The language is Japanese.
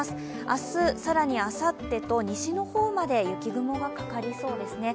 明日、更にあさってと西の方まで雪雲がかかりそうですね。